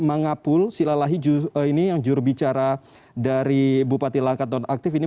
mangapul silalahi ini yang jurubicara dari bupati langkat nonaktif ini